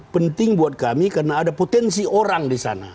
penting buat kami karena ada potensi orang di sana